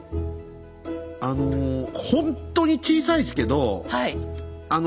あのほんとに小さいっすけどあの。